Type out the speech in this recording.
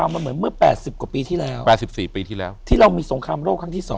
มันเหมือนเมื่อ๘๐กว่าปีที่แล้ว๘๔ปีที่แล้วที่เรามีสงครามโลกครั้งที่๒